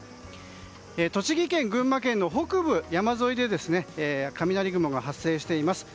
栃木県、群馬県の北部山沿いで雷雲が発生しています。